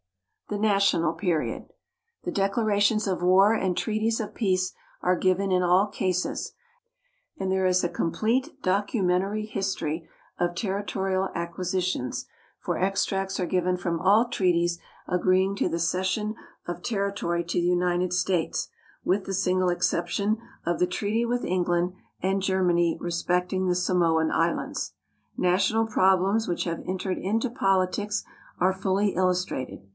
The National Period. The declarations of war and treaties of peace are given in all cases; and there is a complete documentary history of territorial acquisitions, for extracts are given from all treaties agreeing to the cession of territory to the United States, with the single exception of the treaty with England and Germany respecting the Samoan Islands. National problems which have entered into politics are fully illustrated.